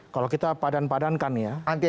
kalau kita padan padankan ya